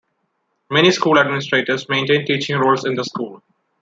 Many school administrators maintain teaching roles in the school.